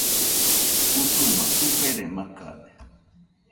Usuma tufere macade